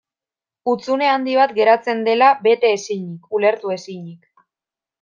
Hutsune handi bat geratzen dela bete ezinik, ulertu ezinik.